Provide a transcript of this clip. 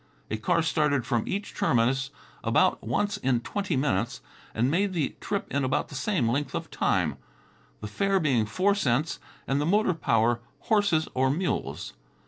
A car started from each terminus about once in twenty minutes and made the trip in about the same length of time, the fare being four cents and the motor power horses or mules.